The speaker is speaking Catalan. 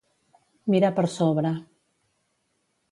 Mirar per sobre.